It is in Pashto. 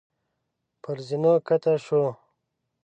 پر زينو کښته شو.